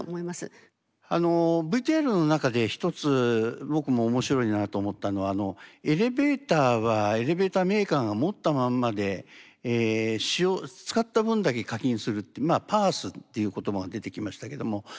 あのＶＴＲの中で一つ僕も面白いなと思ったのはエレベーターはエレベーターメーカーが持ったまんまで使った分だけ課金するってＰａａＳっていう言葉が出てきましたけども。